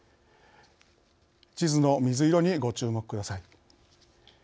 地図の水色に、ご注目ください。